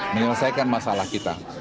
menyelesaikan masalah kita